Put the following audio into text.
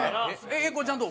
英孝ちゃんどう？